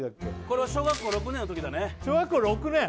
これは小学校６年の時だね小学校６年？